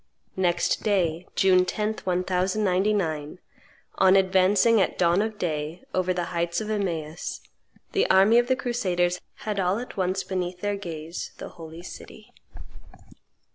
Next day, June 10th 1099, on advancing, at dawn of day, over the heights of Emmaus, the army of the crusaders had, all at once, beneath their gaze the Holy City.